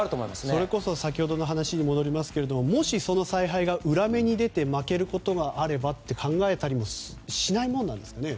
それこそ先ほどの話に戻りますがもし、その采配が裏目に出て負けることがあればと考えたりしないものなんですかね。